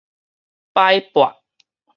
擺撥